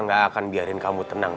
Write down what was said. mereka gak akan biarin kamu tenangin kamu